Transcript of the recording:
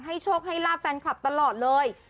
โชคให้ลาบแฟนคลับตลอดเลย